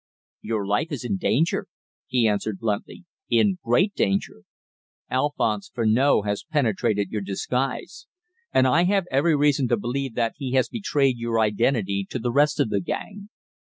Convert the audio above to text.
"Your life is in danger," he answered bluntly, "in great danger. Alphonse Furneaux has penetrated your disguise, and I have every reason to believe that he has betrayed your identity to the rest of the gang.